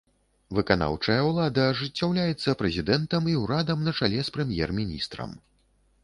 Выканаўчая ўлада ажыццяўляецца прэзідэнтам і ўрадам на чале з прэм'ер-міністрам.